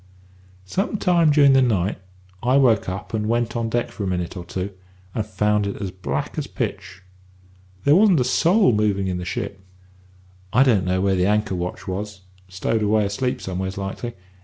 "Some time during the night I woke up and went on deck for a minute or two, and found it as black as pitch. There wasn't a soul moving in the ship. I don't know where the anchor watch was; stowed away asleep somewheres, likely.